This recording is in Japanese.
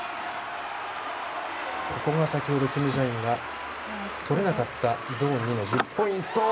ここが先ほどキム・ジャインが取れなかったゾーン２の１０ポイント。